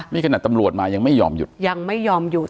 มีขณะตำรวจมายังไม่ยอมหยุด